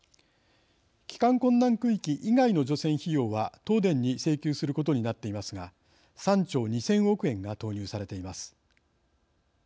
帰還困難区域以外の除染費用は東電に請求することになっていますが３兆２０００億円が投入されています。